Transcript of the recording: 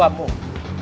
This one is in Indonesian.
dan orang tuamu